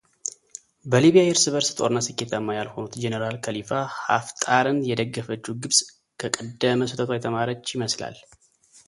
በሊቢያ የእርስ በእርስ ጦርነት ስኬታማ ያልሆኑት ጀነራል ከሊፋ ሐፍጣርን የደገፈችው ግብጽ ከቀደመ ስህተቷ የተማረች ይመስላል።